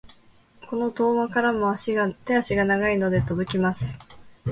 この遠間からも手足が長いので届きます。